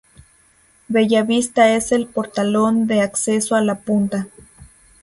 Bellavista es el portalón de acceso a La Punta.